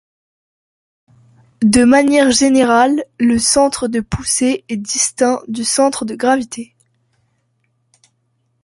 De manière générale, le centre de poussée est distinct du centre de gravité.